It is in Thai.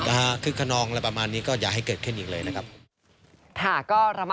ถ้าคือคนองและประมาณนี้ก็อย่าให้เกิดขึ้นอีกเลยนะครับ